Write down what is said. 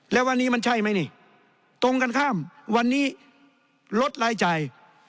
แล้ววันนี้มันใช่ไหมนี่ตรงกันข้ามวันนี้ลดรายจ่าย